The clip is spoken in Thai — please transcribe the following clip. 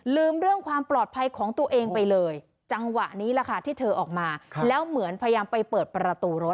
เรื่องความปลอดภัยของตัวเองไปเลยจังหวะนี้แหละค่ะที่เธอออกมาแล้วเหมือนพยายามไปเปิดประตูรถ